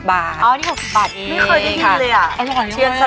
๖๐บาทเนี่ยค่ะตอนนี้หรือเปล่าค่ะตั๋วนี้ละวะ